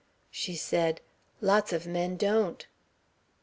She said: "Lots of men don't."